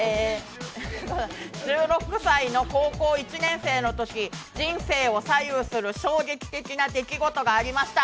１６歳の高校１年生のとき人生を左右する、衝撃的な出来事がありました。